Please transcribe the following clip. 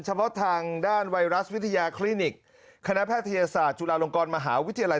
เฉพาะทางด้านไวรัสวิทยาคลินิกคณะแพทยศาสตร์จุฬาลงกรมหาวิทยาลัย